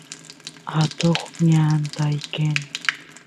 atoq ñanta ayqen